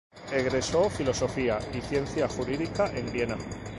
Egresó filosofía y ciencia jurídica en Viena.